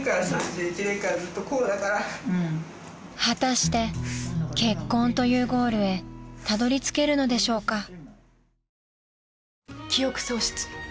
［果たして結婚というゴールへたどりつけるのでしょうか］